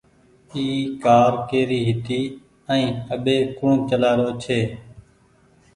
اي ڪآر ڪيري هيتي ائين اٻي ڪوڻ چلآرو ڇي۔